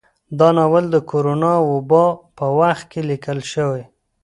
دا ناول د کرونا وبا په وخت کې ليکل شوى